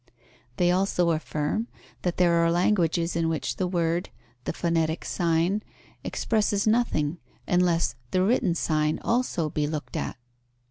They also affirm that there are languages in which the word, the phonetic sign, expresses nothing, unless the written sign also be looked at.